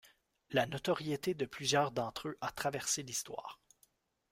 La notoriété de plusieurs d'entre eux a traversé l'histoire.